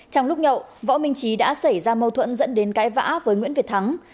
trong lúc nhậu võ minh trí đã xảy ra mâu thuẫn dẫn đến cãi vã với nguyễn việt thắng